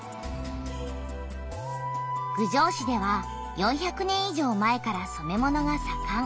郡上市では４００年いじょう前から染め物がさかん。